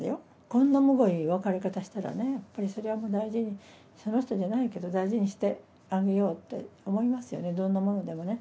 こんなむごい別れ方したらね、やっぱりそれはもう大事に、その人じゃないけど、大事にしてあげようって思いますよね、どんなものでもね。